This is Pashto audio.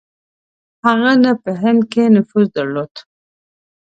هغه نه په هند کې نفوذ درلود.